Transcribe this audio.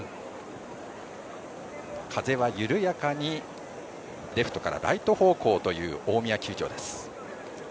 風は緩やかにレフトからライト方向という大宮球場です。